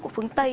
của phương tây